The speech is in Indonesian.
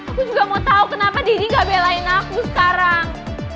aku juga mau tahu kenapa didi gak belain aku sekarang